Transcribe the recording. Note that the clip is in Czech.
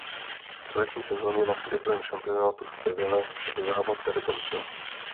V letní sezóně na světovém šampionátu v Seville však závod nedokončila.